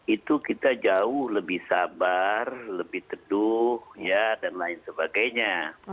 itu kita jauh lebih sabar lebih teduh dan lain sebagainya